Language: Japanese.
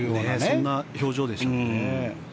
そんな表情でしたね。